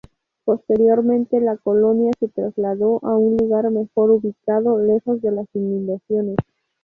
Posteriormente la colonia se trasladó a un lugar mejor ubicado, lejos de las inundaciones.